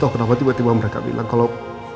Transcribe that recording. tidak tahu kenapa tiba tiba mereka bilang kalau